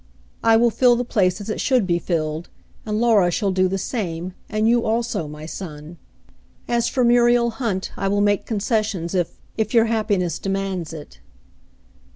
I will fill the place as it should be filled, and Laura shall do the same, and you also, my son. As for Muriel Hunt, I will make concessions if — if your happiness demands it."